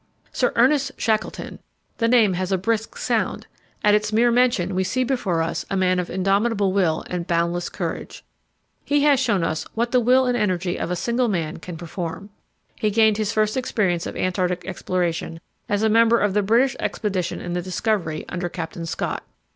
Sir Ernest Shackleton! the name has a brisk sound. At its mere mention we see before us a man of indomitable will and boundless courage. He has shown us what the will and energy of a single man can perform. He gained his first experience of Antarctic exploration as a member of the British expedition in the Discovery, under Captain Scott.